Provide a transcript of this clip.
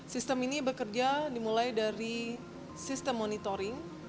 sistem ini bekerja dimulai dari sistem monitoring